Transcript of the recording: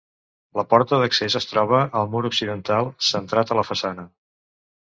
La porta d'accés es troba al mur occidental, centrat a la façana.